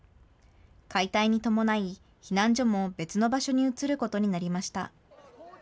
解体に伴い、避難所も別の場所に移ることになりました。